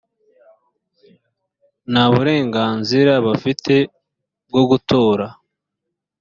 nta burenganzira bafite bwo gutora